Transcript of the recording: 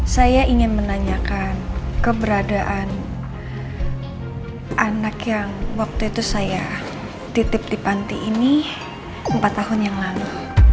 saya ingin menanyakan keberadaan anak yang waktu itu saya titip di panti ini empat tahun yang lalu